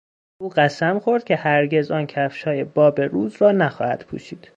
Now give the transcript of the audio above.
او قسم خورد که هرگز آن کفشهای باب روز را نخواهد پوشید.